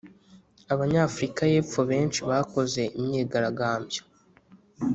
Abanyafurika y'epfo benshi bakoze imyigaragambyo